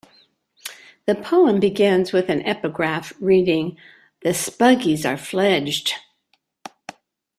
The poem begins with an epigraph reading: "The spuggies are fledged".